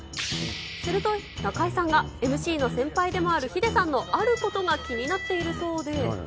すると、中居さんがＭＣの先輩でもあるヒデさんのあることが気になっているそうで。